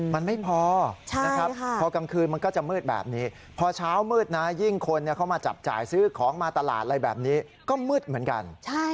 มันไม่พอนะครับพอกลางคืนมันก็จะมืดแบบนี้พอเช้ามืดนะยิ่งคนเข้ามาจับจ่ายซื้อของมาตลาดอะไรแบบนี้ก็มืดเหมือนกัน